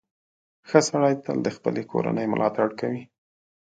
• ښه سړی تل د خپلې کورنۍ ملاتړ کوي.